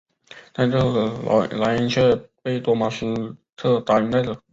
但最后莱恩却被多马斯特打晕带走。